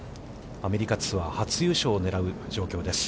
アメリカツアー、初優勝を狙う状況です。